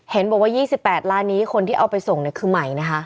เห็นบอกว่า๒๘ล้านนี้คนที่เอาไปส่งเนี่ยคือใหม่นะคะ